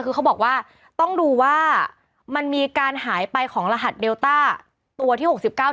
คือเขาบอกว่าต้องดูว่ามันมีการหายไปของรหัสเดลต้าตัวที่หกสิบเก้า